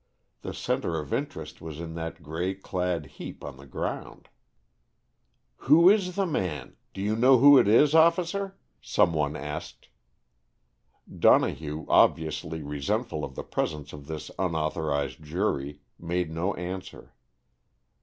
The center of interest was in that gray clad heap on the ground. "Who is the man? Do you know who it is, officer?" some one asked. Donohue, obviously resentful of the presence of this unauthorized jury, made no answer.